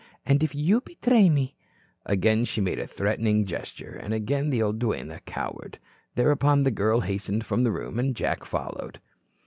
And if you betray me " Again she made a threatening gesture, and again the old duenna cowered. Thereupon, the girl hastened from the room and Jack followed.